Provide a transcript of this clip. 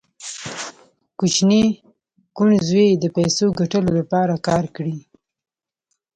کوچني کوڼ زوی یې د پیسو ګټلو لپاره کار کړی